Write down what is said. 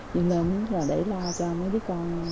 dương lên là để lo cho mấy đứa con